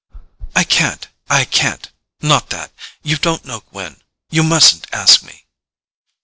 "I can't—I can't—not that—you don't know Gwen: you mustn't ask me!"